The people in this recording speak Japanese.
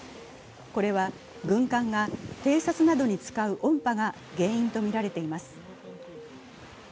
これは軍艦が偵察などに使う音波が原因とみられています。